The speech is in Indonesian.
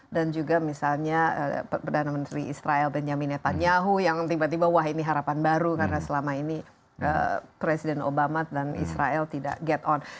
dan juga misalnya perdana menteri israel benjamin netanyahu yang tiba tiba wah ini harapan baru karena selama ini presiden obama dan israel tidak get on